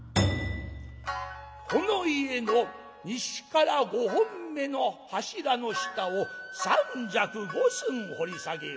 「この家の西から５本目の柱の下を３尺５寸掘り下げよ。